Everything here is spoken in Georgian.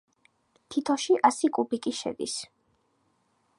თითოში ასი კუბიკი შედის.